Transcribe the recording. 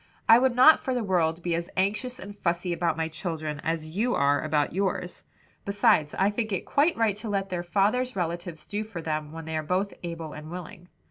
"I would not for the world be as anxious and fussy about my children as you are about yours. Besides, I think it quite right to let their father's relatives do for them when they are both able and willing."